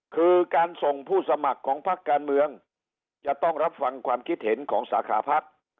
คือการส่งผู้สมัครของพักการเมืองจะต้องรับฟังความคิดเห็นของสาขาพัก